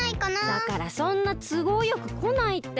だからそんなつごうよくこないって。